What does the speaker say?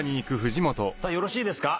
さあよろしいですか？